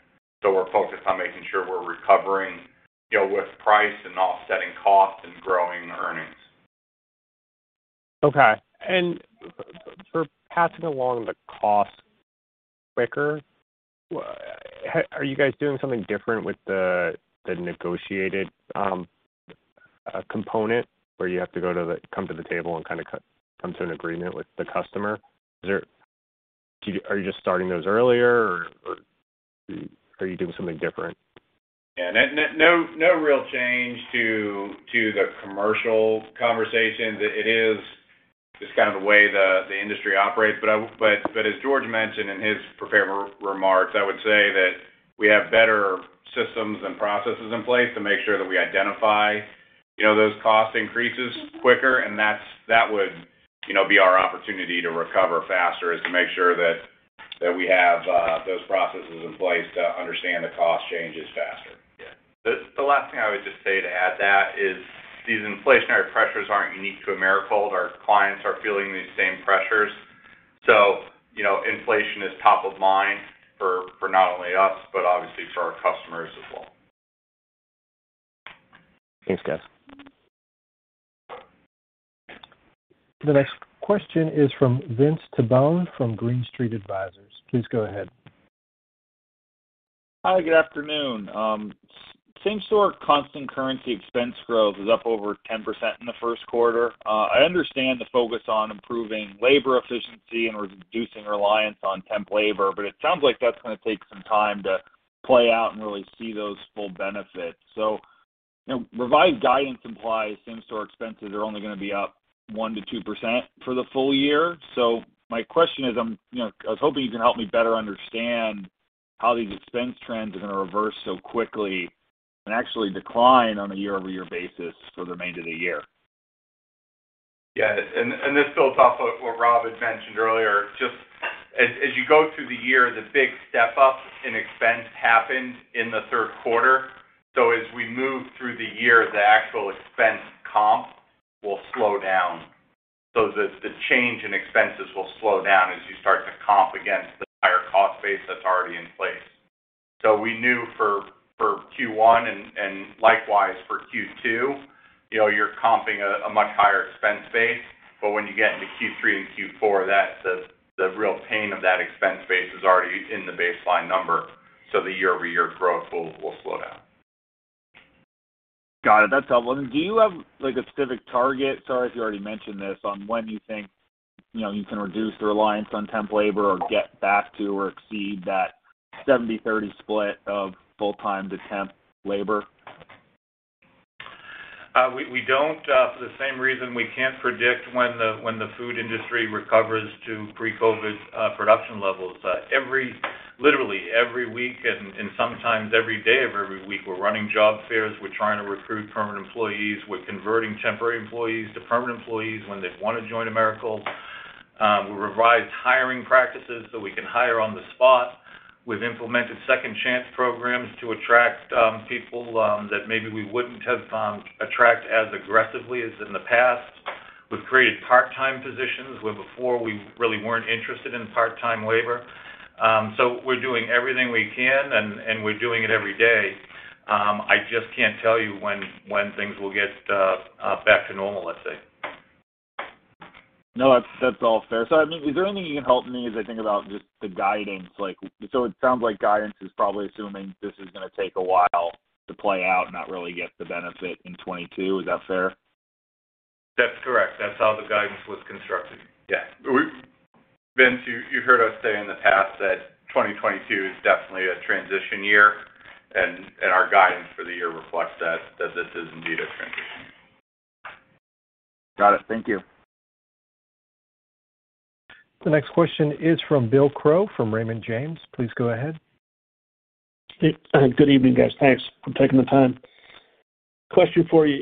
We're focused on making sure we're recovering, you know, with price and offsetting costs and growing earnings. Okay. For passing along the cost quicker, what are you guys doing something different with the negotiated component where you have to come to the table and kinda come to an agreement with the customer? Are you just starting those earlier, or are you doing something different? Yeah. No real change to the commercial conversations. It is just kind of the way the industry operates. As George mentioned in his prepared remarks, I would say that we have better systems and processes in place to make sure that we identify, you know, those cost increases quicker. That would, you know, be our opportunity to recover faster, is to make sure that we have those processes in place to understand the cost changes faster. Yeah. The last thing I would just say to add to that is these inflationary pressures aren't unique to Americold. Our clients are feeling these same pressures. You know, inflation is top of mind for not only us, but obviously for our customers as well. Thanks, guys. The next question is from Vince Tibone from Green Street Advisors. Please go ahead. Hi. Good afternoon. Same-store constant currency expense growth is up over 10% in the first quarter. I understand the focus on improving labor efficiency and reducing reliance on temp labor, but it sounds like that's gonna take some time to play out and really see those full benefits. Revised guidance implies same-store expenses are only gonna be up 1%-2% for the full year. My question is, you know, I was hoping you can help me better understand how these expense trends are gonna reverse so quickly and actually decline on a year-over-year basis for the remainder of the year. Yeah. This builds off of what Rob had mentioned earlier. Just as you go through the year, the big step up in expense happened in the third quarter. As we move through the year, the actual expense comp will slow down. The change in expenses will slow down as you start to comp against the higher cost base that's already in place. We knew for Q1 and likewise for Q2, you know, you're comping a much higher expense base. When you get into Q3 and Q4, that's the real pain of that expense base is already in the baseline number, so the year-over-year growth will slow down. Got it. That's helpful. Do you have, like, a specific target, sorry if you already mentioned this, on when you think, you know, you can reduce the reliance on temp labor or get back to or exceed that 70-30 split of full-time to temp labor? We don't for the same reason we can't predict when the food industry recovers to pre-COVID production levels. Literally every week and sometimes every day of every week, we're running job fairs. We're trying to recruit permanent employees. We're converting temporary employees to permanent employees when they want to join Americold. We revised hiring practices, so we can hire on the spot. We've implemented second chance programs to attract people that maybe we wouldn't have attract as aggressively as in the past. We've created part-time positions, where before we really weren't interested in part-time labor. We're doing everything we can, and we're doing it every day. I just can't tell you when things will get back to normal, let's say. No, that's all fair. I mean, is there anything you can help me as I think about just the guidance? Like, so it sounds like guidance is probably assuming this is gonna take a while to play out and not really get the benefit in 2022. Is that fair? That's correct. That's how the guidance was constructed. Yeah. We've Vince, you heard us say in the past that 2022 is definitely a transition year, and our guidance for the year reflects that this is indeed a transition year. Got it. Thank you. The next question is from Bill Crow from Raymond James. Please go ahead. Good evening, guys. Thanks for taking the time. Question for you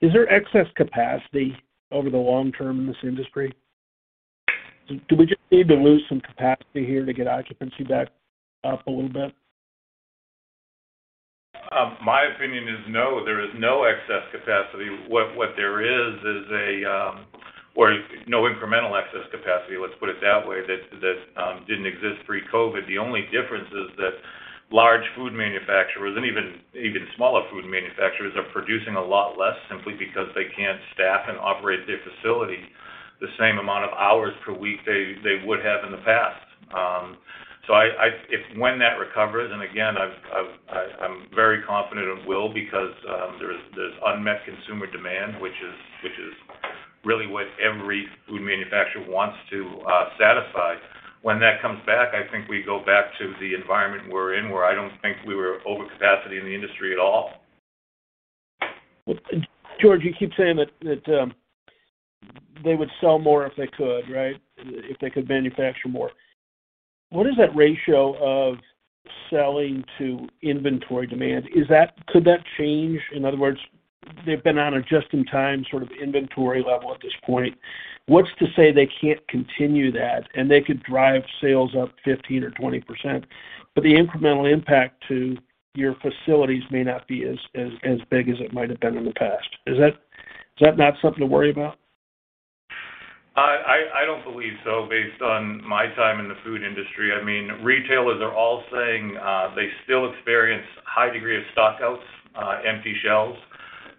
is there excess capacity over the long term in this industry? Do we just need to lose some capacity here to get occupancy back up a little bit? My opinion is no, there is no excess capacity. What there is is no incremental excess capacity, let's put it that way, that didn't exist pre-COVID. The only difference is that large food manufacturers, and even smaller food manufacturers, are producing a lot less simply because they can't staff and operate their facility the same amount of hours per week they would have in the past. If, when that recovers, and again, I'm very confident it will because there's unmet consumer demand, which is really what every food manufacturer wants to satisfy. When that comes back, I think we go back to the environment we're in, where I don't think we were over capacity in the industry at all. George, you keep saying that they would sell more if they could, right? If they could manufacture more. What is that ratio of selling to inventory demand? Could that change? In other words, they've been on a just-in-time sort of inventory level at this point. What's to say they can't continue that and they could drive sales up 15% or 20%, but the incremental impact to your facilities may not be as big as it might have been in the past. Is that not something to worry about? I don't believe so based on my time in the food industry. I mean, retailers are all saying they still experience high degree of stock outs, empty shelves.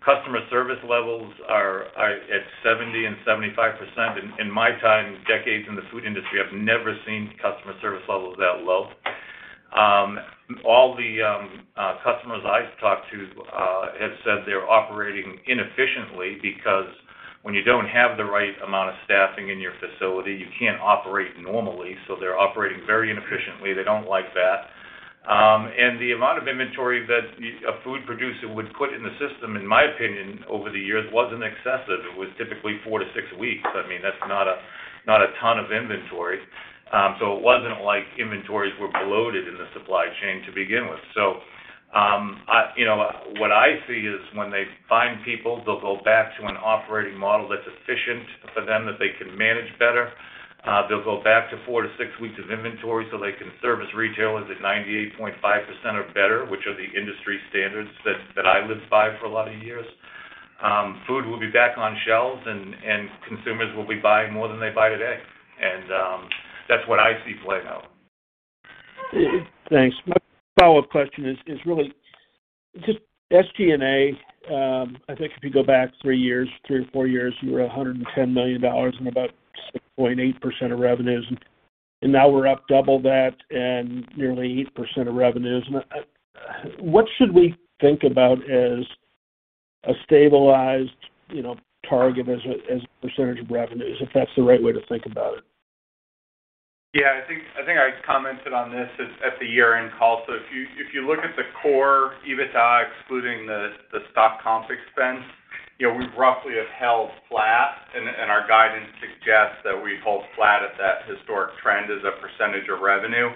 Customer service levels are at 70%-75%. In my time, decades in the food industry, I've never seen customer service levels that low. All the customers I've talked to have said they're operating inefficiently because when you don't have the right amount of staffing in your facility, you can't operate normally, so they're operating very inefficiently. They don't like that. The amount of inventory that a food producer would put in the system, in my opinion, over the years, wasn't excessive. It was typically four to six weeks. I mean, that's not a ton of inventory. It wasn't like inventories were bloated in the supply chain to begin with. I, you know, what I see is when they find people, they'll go back to an operating model that's efficient for them, that they can manage better. They'll go back to four-six weeks of inventory, so they can service retailers at 98.5% or better, which are the industry standards that I lived by for a lot of years. Food will be back on shelves and consumers will be buying more than they buy today. That's what I see playing out. Thanks. My follow-up question is really just SG&A. I think if you go back three years, three or four years, you were $110 million and about 6.8% of revenues. Now we're up double that and nearly 8% of revenues. What should we think about as a stabilized, you know, target as a percentage of revenues, if that's the right way to think about it? Yeah. I think I commented on this at the year-end call. If you look at the core EBITDA excluding the stock comp expense, you know, we roughly have held flat and our guidance suggests that we hold flat at that historic trend as a percentage of revenue.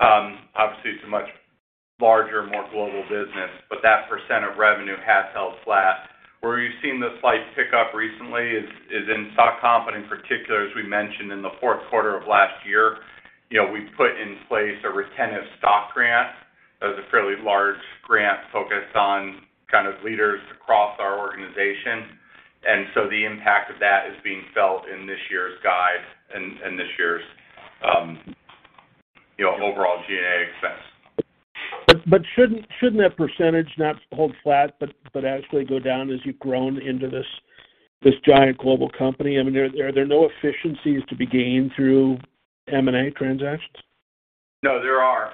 Obviously, it's a much larger, more global business, but that percent of revenue has held flat. Where we've seen the slight pickup recently is in stock comp, but in particular, as we mentioned in the fourth quarter of last year, you know, we put in place a retentive stock grant. That was a fairly large grant focused on kind of leaders across our organization. The impact of that is being felt in this year's guide and this year's, you know, overall G&A expense. Shouldn't that percentage not hold flat, but actually go down as you've grown into this giant global company? I mean, are there no efficiencies to be gained through M&A transactions? No, there are.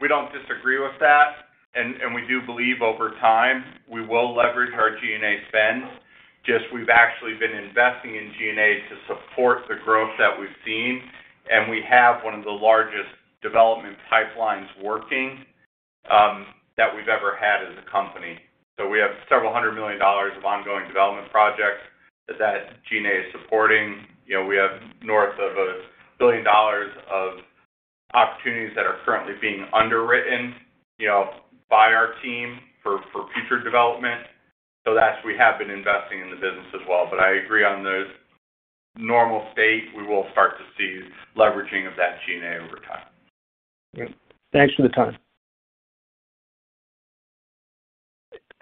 We don't disagree with that. We do believe over time, we will leverage our SG&A spend. Just, we've actually been investing in SG&A to support the growth that we've seen, and we have one of the largest development pipelines working that we've ever had as a company. We have several hundred million dollars of ongoing development projects that SG&A is supporting. You know, we have north of $1 billion of opportunities that are currently being underwritten, you know, by our team for future development. That's. We have been investing in the business as well. I agree in the normal state, we will start to see leveraging of that SG&A over time. Thanks for the time.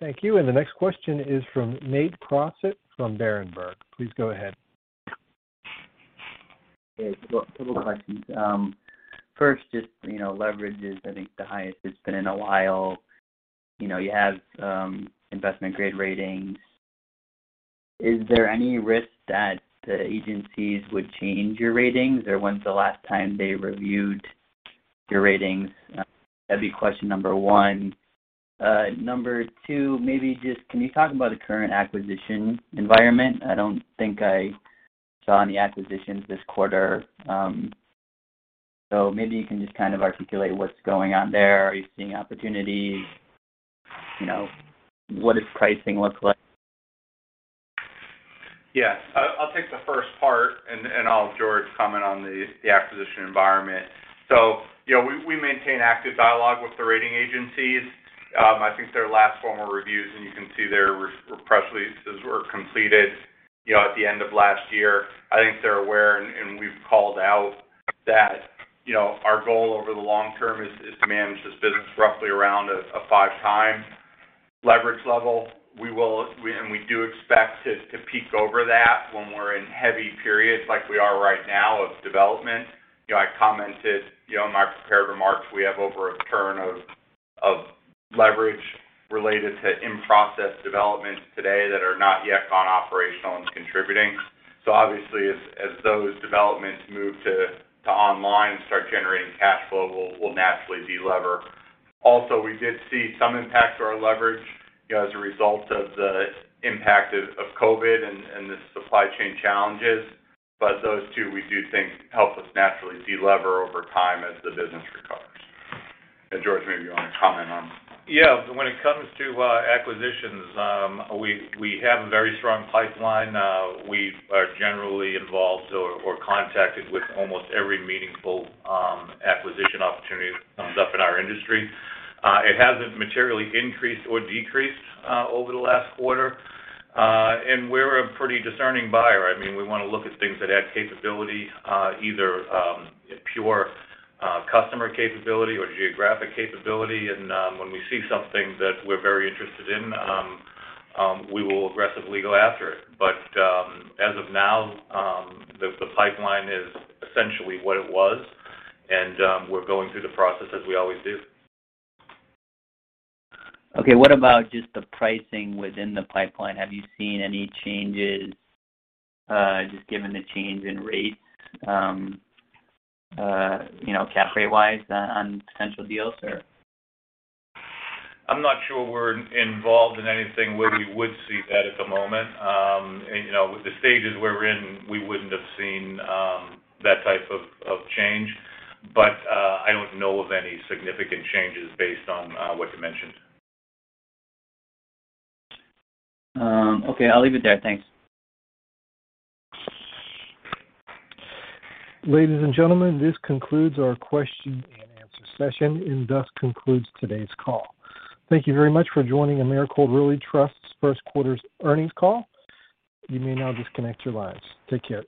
Thank you. The next question is from Nate Crossett from Berenberg. Please go ahead. Yeah. Two little questions. First, just, you know, leverage is, I think, the highest it's been in a while. You know, you have investment grade ratings. Is there any risk that the agencies would change your ratings? Or when's the last time they reviewed your ratings? That'd be question number one. Number two, maybe just can you talk about the current acquisition environment? I don't think I saw any acquisitions this quarter. So maybe you can just kind of articulate what's going on there. Are you seeing opportunities? You know, what does pricing look like? Yes. I'll take the first part, and I'll have George comment on the acquisition environment. You know, we maintain active dialogue with the rating agencies. I think their last formal reviews, and you can see their press releases were completed. You know, at the end of last year, I think they're aware, and we've called out that, you know, our goal over the long term is to manage this business roughly around a 5x leverage level. And we do expect it to peak over that when we're in heavy periods like we are right now of development. You know, I commented, you know, in my prepared remarks, we have over a turn of leverage related to in-process developments today that are not yet gone operational and contributing. So obviously, as those developments move to online and start generating cash flow, we'll naturally de-lever. Also, we did see some impact to our leverage, you know, as a result of the impact of COVID and the supply chain challenges. Those two, we do think help us naturally de-lever over time as the business recovers. George, maybe you wanna comment on. Yeah. When it comes to acquisitions, we have a very strong pipeline. We are generally involved or contacted with almost every meaningful acquisition opportunity that comes up in our industry. It hasn't materially increased or decreased over the last quarter. We're a pretty discerning buyer. I mean, we wanna look at things that add capability, either pure customer capability or geographic capability. When we see something that we're very interested in, we will aggressively go after it. As of now, the pipeline is essentially what it was, and we're going through the process as we always do. Okay. What about just the pricing within the pipeline? Have you seen any changes, just given the change in rates, you know, cap rate-wise on potential deals or? I'm not sure we're involved in anything where we would see that at the moment. You know, the stages we're in, we wouldn't have seen that type of change. I don't know of any significant changes based on what you mentioned. Okay, I'll leave it there. Thanks. Ladies and gentlemen, this concludes our question and answer session and thus concludes today's call. Thank you very much for joining Americold Realty Trust First Quarter Earnings Call. You may now disconnect your lines. Take care.